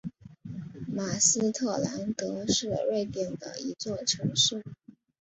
马斯特兰德是瑞典的一座城市。